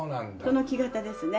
その木型ですね。